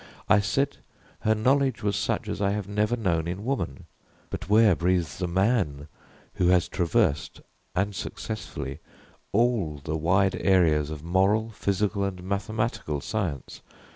I said her knowledge was such as I have never known in woman but where breathes the man who has traversed, and successfully, all the wide areas of moral, physical, and mathematical science?